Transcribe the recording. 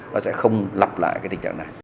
và sẽ không lặp lại cái tình trạng này